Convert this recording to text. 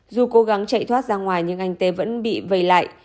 dù cố gắng chạy thoát ra ngoài nhưng anh t vẫn bị vầy lại